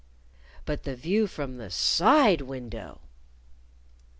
But the view from the side window!